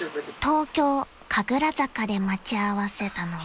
［東京神楽坂で待ち合わせたのは］